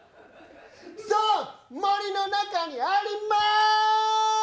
そう、森の中にありまーーす！！